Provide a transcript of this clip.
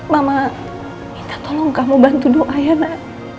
mama minta tolong kamu bantu doa ya nak